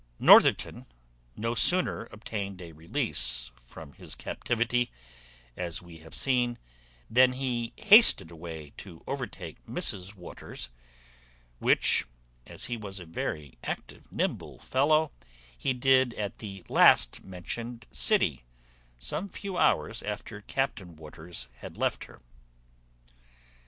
Northerton no sooner obtained a release from his captivity, as we have seen, than he hasted away to overtake Mrs Waters; which, as he was a very active nimble fellow, he did at the last mentioned city, some few hours after Captain Waters had left her.